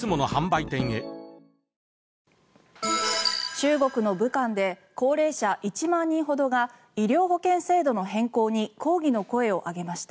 中国の武漢で高齢者１万人ほどが医療保険制度の変更に抗議の声を上げました。